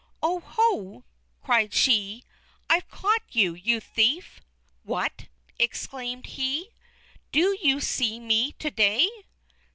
"Oh! Ho!" cried she; "I've caught you, you thief!" "What!" exclaimed he. "Do you see me to day?"